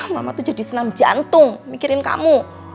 mama tuh jadi senam jantung mikirin kamu